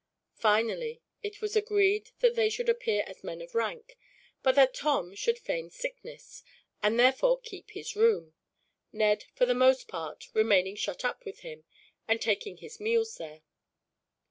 Finally, it was agreed that they should appear as men of rank, but that Tom should feign sickness, and therefore keep his room; Ned for the most part remaining shut up with him, and taking his meals there.